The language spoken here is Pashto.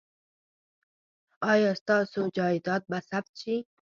ایا ستاسو جایداد به ثبت شي؟